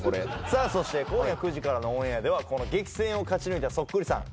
さあそして今夜９時からのオンエアではこの激戦を勝ち抜いたそっくりさん